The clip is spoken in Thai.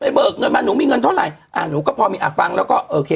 เบิกเงินมาหนูมีเงินเท่าไหร่อ่าหนูก็พอมีอ่ะฟังแล้วก็โอเค